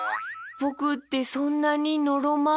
ぼくってそんなにのろま？